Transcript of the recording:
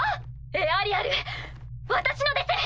エアリアル私のです！